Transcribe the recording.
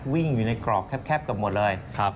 วิ่งอยู่ในกรอบแคบเกือบหมดเลย